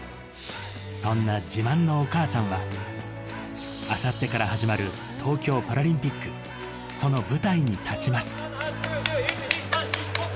そんな自慢のお母さんは、あさってから始まる東京パラリンピック、その舞台に立ちます。